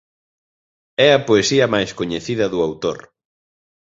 É a poesía máis coñecida do autor.